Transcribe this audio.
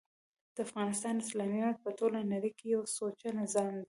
دافغانستان اسلامي امارت په ټوله نړۍ کي یو سوچه نظام دی